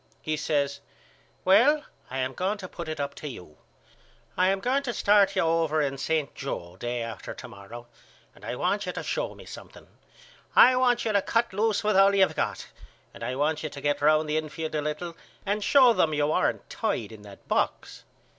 He says Well I am going to put it up to you. I am going to start you over in St. Joe day after to morrow and I want you to show me something. I want you to cut loose with all you've got and I want you to get round the infield a little and show them you aren't tied in that box.